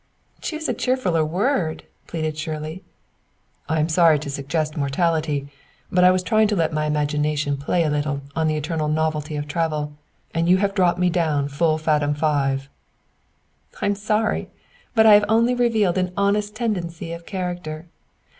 "Choose a cheerfuller word!" pleaded Shirley. "I am sorry to suggest mortality, but I was trying to let my imagination play a little on the eternal novelty of travel, and you have dropped me down 'full faddom five.'" "I'm sorry, but I have only revealed an honest tendency of character.